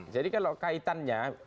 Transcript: jadi kalau kaitannya